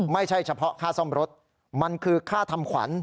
ไม่ใช่เฉพาะค่าซ่อมรถมันคือค่าทำขวัญ